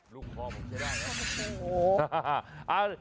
ลูกพ่อผมใช้ได้แล้ว